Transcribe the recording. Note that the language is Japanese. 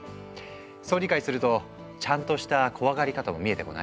そう理解するとちゃんとした怖がり方も見えてこない？